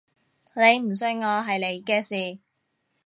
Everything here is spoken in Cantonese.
你唔信我係你嘅事